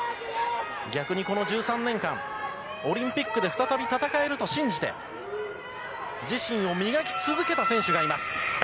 逆にこの１３年間、オリンピックで再び戦えると信じて、自身を磨き続けた選手がいます。